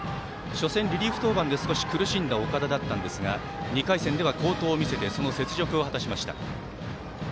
初戦、リリーフ登板で少し苦しんだ岡田でしたが２回戦では好投を見せて雪辱を晴らしました。